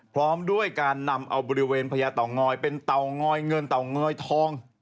พร้อมด้วยการนำเอาบริเวณพญาเต่างอยเป็นเตางอยเงินเตางอยทอง